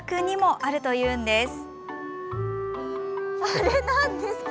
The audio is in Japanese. あれ、なんですか？